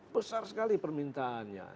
besar sekali permintaannya